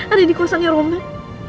ada di kosannya roman